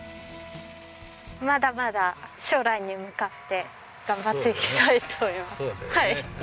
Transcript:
まだまだ将来に向かって頑張っていきたいと思います。